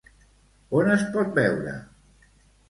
On es pot veure?